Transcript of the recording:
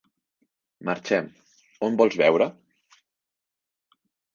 Marxem. On vols veure?